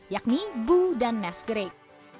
yakni boo dan neskrik